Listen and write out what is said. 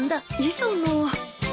磯野。